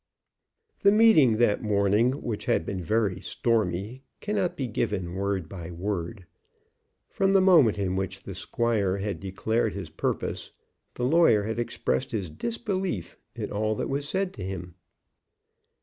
The meeting that morning, which had been very stormy, cannot be given word by word. From the moment in which the squire had declared his purpose, the lawyer had expressed his disbelief in all that was said to him.